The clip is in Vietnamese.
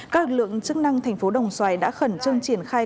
các lực lượng chức năng thành phố đồng xoài đã khẩn trương triển khai